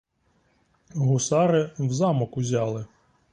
Гусари в замок узяли.